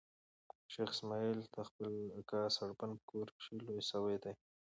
شېخ اسماعیل د خپل اکا سړبن په کور کښي لوی سوی دئ.